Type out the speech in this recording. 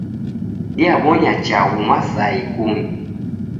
Diabonya chaghu masaa ikumi